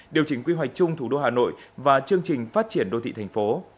điều chỉnh quy hoạch chung thủ đô hà nội và chương trình phát triển đô thị thành phố